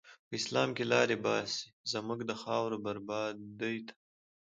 په اسلام کی لاری باسی، زموږ د خاوری بربادی ته